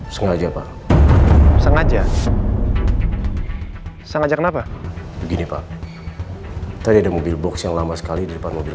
sengaja pak sengaja sengaja kenapa begini pak tadi ada mobil box yang lama sekali di depan mobil